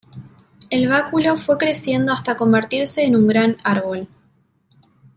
El báculo fue creciendo hasta convertirse en un gran árbol.